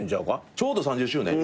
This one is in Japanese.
ちょうど３０周年！？